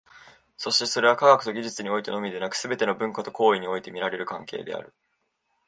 そしてそれは、科学と技術においてのみでなく、すべての文化と行為において見られる関係である。